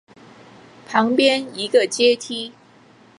旁边一个阶梯